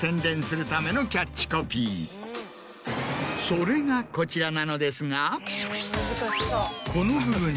それがこちらなのですが。